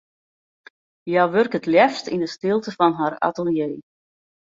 Hja wurke it leafst yn 'e stilte fan har atelier.